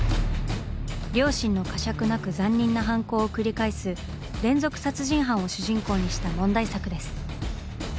良心の呵責なく残忍な犯行を繰り返す連続殺人犯を主人公にした問題作です。